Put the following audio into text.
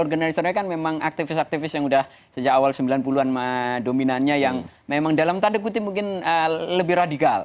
organizernya kan memang aktivis aktivis yang sudah sejak awal sembilan puluh an dominannya yang memang dalam tanda kutip mungkin lebih radikal